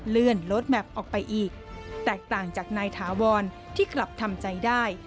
เลื่อนโลดแมพออกไปอีกแตกต่างจากนายถาวรที่กลับทำใจได้